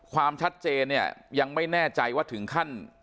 ความชัดเจนเนี่ยยังไม่แน่ใจว่าถึงขั้น